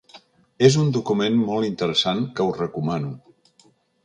És un document molt interessant que us recomano.